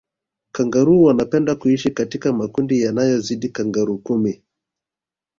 kangaroo wanapenda kuishi katika makundi yanayozidi kangaroo kumi